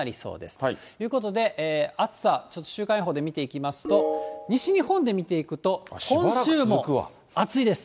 ということで、暑さ、ちょっと週間予報で見ていきますと、西日本で見ていくと、今週も暑いです。